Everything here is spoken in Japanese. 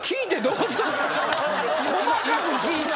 細かく聞いて。